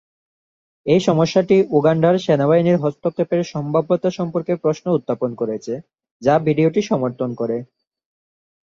এই সমস্যাটি উগান্ডার সেনাবাহিনীর হস্তক্ষেপের সম্ভাব্যতা সম্পর্কে প্রশ্ন উত্থাপন করেছে, যা ভিডিওটি সমর্থন করে।